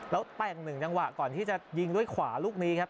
แล้วแต่งหนึ่งจังหวะก่อนที่จะยิงด้วยขวาลูกนี้ครับ